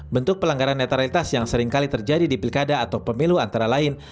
bentuk pelanggaran netralitas yang seringkali terjadi di pilkada atau pemilu antara lain